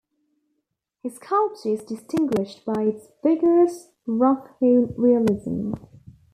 His sculpture is distinguished by its vigorous rough-hewn realism.